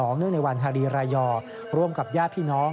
เนื่องในวันฮารีรายอร์ร่วมกับญาติพี่น้อง